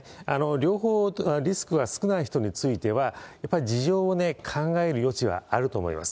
両方、リスクが少ない人については、やっぱり事情を考える余地はあると思います。